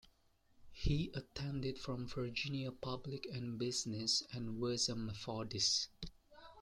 He attended from Virginia public and business, and was a Methodist.